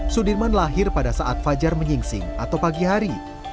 sudirman lahir pada saat fajar menyingsing atau pagi hari